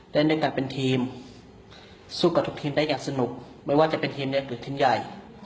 เล่นด้วยกันเป็นทีมสู้กับทุกทีมได้อย่างสนุกไม่ว่าจะเป็นทีมใดหรือทีมใหญ่